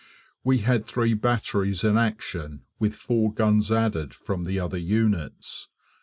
We had three batteries in action with four guns added from the other units.